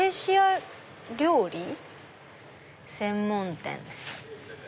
「専門店」。